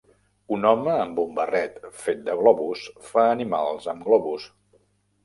Un home amb un barret fet de globus fa animals amb globus.